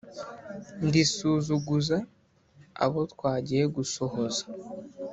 Ndi Suzuguza abo twagiye gusohoza